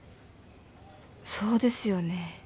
そうですよね